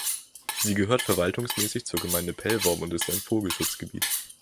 Sie gehört verwaltungsmäßig zur Gemeinde Pellworm und ist ein Vogelschutzgebiet.